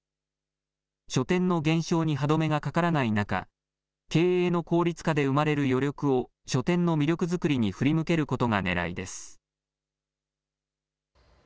書店の減少に歯止めがかからない中、経営の効率化で生まれる余力を書店の魅力作りに振り向けることがねらいです。